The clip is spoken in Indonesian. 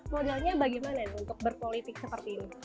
modalnya bagaimana nih untuk berpolitik seperti ini